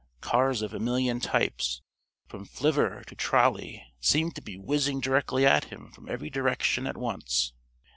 Cars of a million types, from flivver to trolley, seemed to be whizzing directly at him from every direction at once.